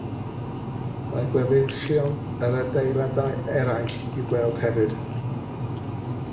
Mae gweddillion yr adeiladau eraill i'w gweld hefyd.